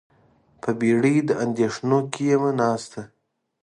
په بیړۍ د اندیښنو کې یمه ناسته